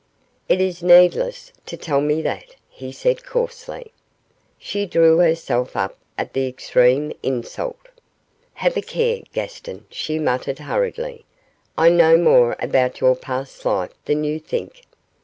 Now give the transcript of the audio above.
'It is needless to tell me that,' he said, coarsely. She drew herself up at the extreme insult. 'Have a care, Gaston,' she muttered, hurriedly, 'I know more about your past life than you think.